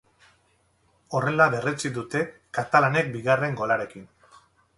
Horrela berretsi dute katalanek bigarren golarekin.